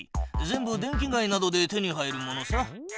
全部電気街などで手に入るものさ。